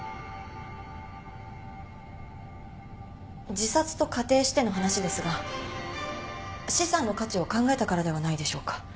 自殺と仮定しての話ですが資産の価値を考えたからではないでしょうか。